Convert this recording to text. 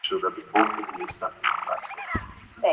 ya Fergana ilikuwa shinikizo la Kremlin kwa Georgia